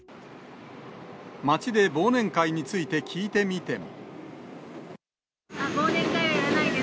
街で忘年会について聞いてみても。